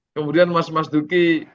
kemudian mas duki